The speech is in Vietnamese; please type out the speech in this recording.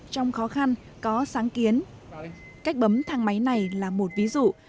trong khó khăn có sáng kiến cách bấm thang máy này là một ví dụ